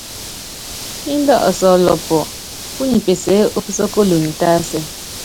Índɛ ɔsɔlɔpɔ, púnyipeseé, opísókolonyi tásɛ.